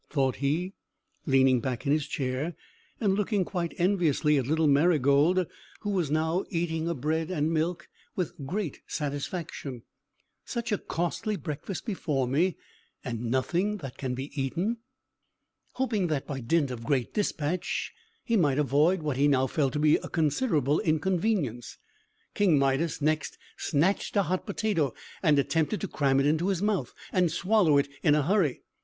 thought he, leaning back in his chair, and looking quite enviously at little Marygold, who was now eating her bread and milk with great satisfaction. "Such a costly breakfast before me, and nothing that can be eaten!" Hoping that, by dint of great dispatch, he might avoid what he now felt to be a considerable inconvenience, King Midas next snatched a hot potato, and attempted to cram it into his mouth, and swallow it in a hurry.